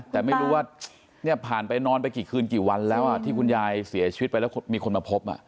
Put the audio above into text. แต่ไม่รู้ว่าเนี่ยผ่านไปนอนไปกี่คืนกี่วันแล้วที่คุณยายเสียชีวิตไปแล้วมีคนมาพบ